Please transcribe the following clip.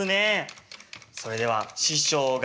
それでは師匠が。